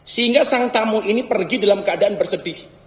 sehingga sang tamu ini pergi dalam keadaan bersedih